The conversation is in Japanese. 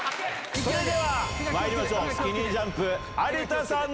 それではまいりましょうスキニージャンプ。